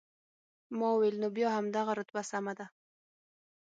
ما وویل، نو بیا همدغه رتبه سمه ده.